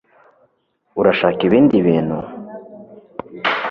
urashaka ibindi bintu